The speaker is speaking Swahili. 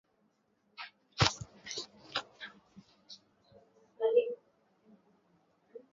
Mapafu hujaa maji